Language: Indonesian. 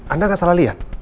anda gak salah liat